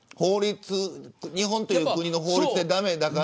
日本という国の法律で駄目だから。